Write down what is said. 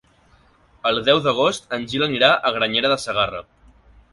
El deu d'agost en Gil anirà a Granyena de Segarra.